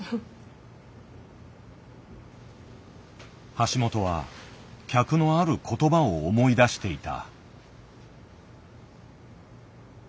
橋本は客のある言葉を思い出していた。